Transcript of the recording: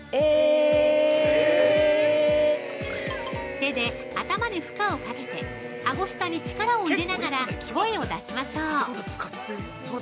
◆手で頭に負荷をかけてあご下に力を入れながら声を出しましょう。